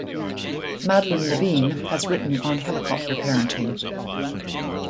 Madeline Levine has written on helicopter parenting.